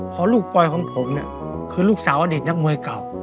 เพราะลูกปล่อยของผมเนี่ยคือลูกสาวอดีตนักมวยเก่า